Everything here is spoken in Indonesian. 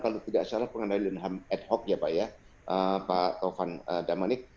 kalau tidak salah pengendalian ham ad hoc ya pak ya pak taufan damanik